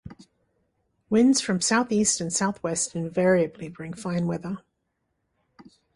Winds from southeast and southwest invariably bring fine weather.